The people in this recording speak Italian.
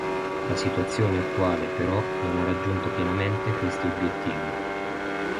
La situazione attuale, però, non ha raggiunto pienamente questi obiettivi.